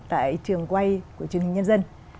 tại trường quay của trường hình nhân dân